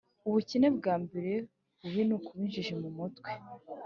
Ubukene bwambere bubi nukuba injiji mu mutwe